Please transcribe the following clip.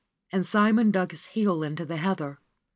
And Simon dug his heel into the heather.